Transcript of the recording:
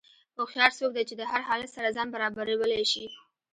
هوښیار څوک دی چې د هر حالت سره ځان برابرولی شي.